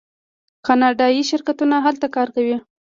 کاناډایی شرکتونه هلته کار کوي.